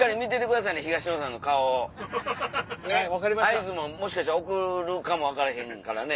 合図ももしかしたら送るかも分からへんからね。